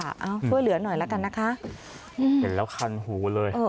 เอ้าช่วยเหลือหน่อยแล้วกันนะคะเห็นแล้วคันหูเลยเออเยอะอ่ะ